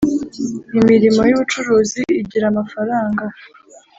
imirimo yubucuruzi igira amafaranga